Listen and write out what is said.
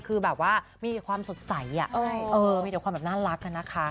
คือแบบว่ามีแต่ความสดใสมีแต่ความแบบน่ารักอะนะคะ